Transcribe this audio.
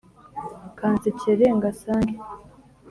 kansekere ngasange